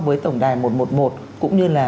với tổng đài một trăm một mươi một cũng như là